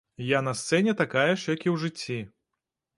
Я на сцэне такая ж, як і ў жыцці.